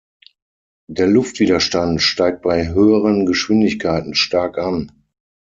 Der Luftwiderstand steigt bei höheren Geschwindigkeiten stark an.